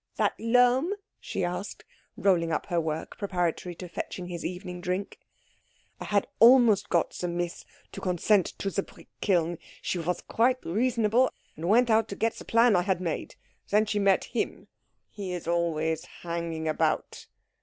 "That Lohm?" she asked, rolling up her work preparatory to fetching his evening drink. "I had almost got the Miss to consent to the brick kiln. She was quite reasonable, and went out to get the plan I had made. Then she met him he is always hanging about."